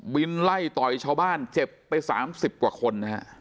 บินไล่ต่อไอ้ชาวบ้านเจ็บไป๓๐กว่าคน